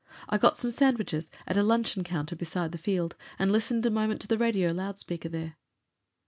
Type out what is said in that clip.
I got some sandwiches at a luncheon counter beside the field, and listened a moment to a radio loudspeaker there.